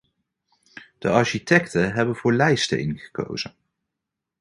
De architecten hebben voor leisteen gekozen.